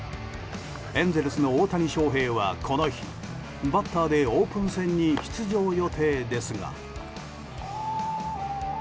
エンゼルスの大谷翔平は、この日バッターでオープン戦に出場予定ですが。